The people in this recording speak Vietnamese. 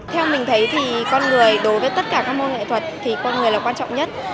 theo mình thấy thì con người đối với tất cả các môn nghệ thuật thì con người là quan trọng nhất